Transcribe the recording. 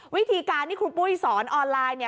วิธีการที่ครูปุ้ยสอนออนไลน์เนี่ย